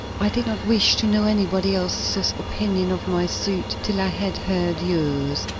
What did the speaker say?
I did not wish to know anybody else's opinion of my suit till I had heard yours.